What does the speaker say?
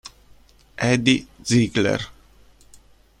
Edi Ziegler